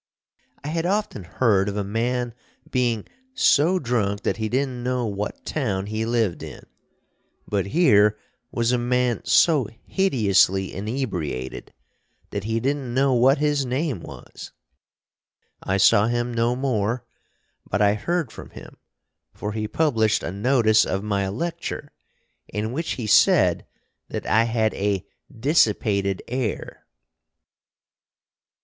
I had often heard of a man being "so drunk that he didn't know what town he lived in," but here was a man so hideously inebriated that he didn't know what his name was. I saw him no more, but I heard from him. For he published a notice of my lecture, in which he said that I had _a dissipated air!